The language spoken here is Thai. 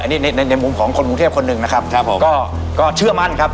อันนี้ในในมุมของคนกรุงเทพคนหนึ่งนะครับครับผมก็เชื่อมั่นครับ